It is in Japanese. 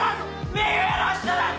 目上の人だぞ！